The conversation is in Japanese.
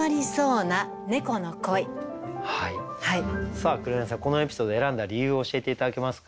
さあ紅さんこのエピソード選んだ理由を教えて頂けますか？